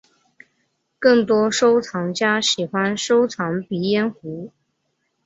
更多收藏家喜欢收藏鼻烟壶。